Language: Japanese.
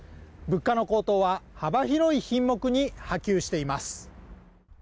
物価の高騰は幅広い品目に波及しています